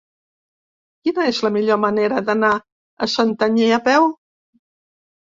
Quina és la millor manera d'anar a Santanyí a peu?